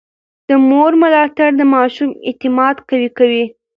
د مور ملاتړ د ماشوم اعتماد قوي کوي.